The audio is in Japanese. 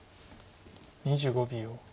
２５秒。